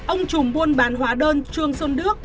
ông trùm buôn bán hóa đơn truong sơn đước